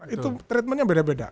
itu treatmentnya beda beda